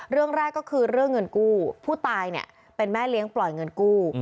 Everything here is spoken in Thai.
เรื่องแรกก็คือเรื่องเงินกู้ผู้ตายเนี่ยเป็นแม่เลี้ยงปล่อยเงินกู้